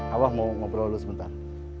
abah mau ngobrol lu sebentar